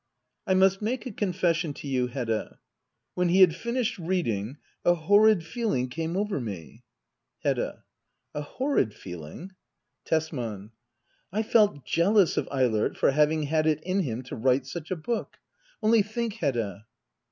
I must make a confession to you, Hedda. When he had finished reading — a horrid feeling came over me. Hedda. A horrid feeling } Tesman. I felt* jealous of Eilert for having had it in him to write such a book. Only think, Hedda